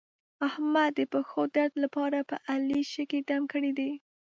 احمد د پښو درد لپاره په علي شګې دم کړې دي.